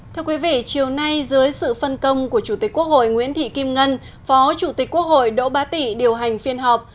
thưa quý vị chiều nay dưới sự phân công của chủ tịch quốc hội nguyễn thị kim ngân phó chủ tịch quốc hội đỗ bá tị điều hành phiên họp